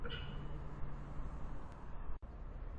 Firma por tres temporadas.